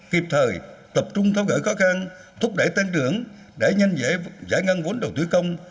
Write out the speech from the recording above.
kịp thời tập trung tháo gỡ khó khăn thúc đẩy tăng trưởng để nhanh dễ giải ngân vốn đầu tư công